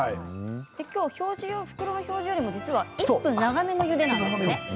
今日は袋の表示よりも１分長めにゆでるんですね。